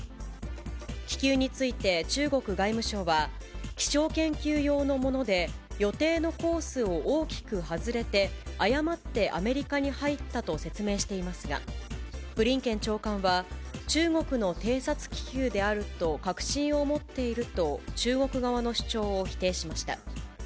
気球について、中国外務省は、気象研究用のもので、予定のコースを大きく外れて、誤ってアメリカに入ったと説明していますが、ブリンケン長官は、中国の偵察気球であると確信を持っていると、中国側の主張を否定しました。